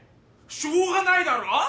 しょうがないだろ！